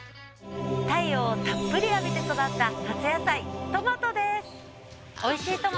太陽をたっぷり浴びて育った夏野菜トマトです。